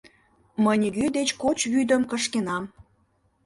Мый нигӧ деч коч вӱдым кышкенам.